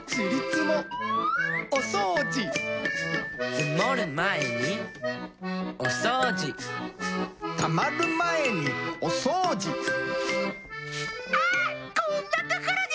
つもるまえにおそうじたまるまえにおそうじあっこんなところに！